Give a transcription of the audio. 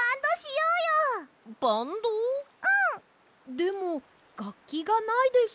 でもがっきがないです。